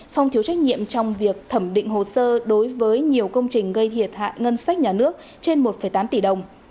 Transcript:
phong thiếu trách nhiệm trong việc thẩm định hồ sơ đối với nhiều công trình gây thiệt hại ngân sách nhà nước trên một tám tỷ đồng